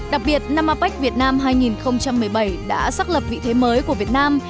đặc biệt năm apec việt nam hai nghìn một mươi bảy đã xác lập vị thế mới của việt nam